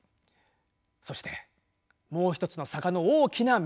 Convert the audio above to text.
そしてもう一つの坂の大きな魅力。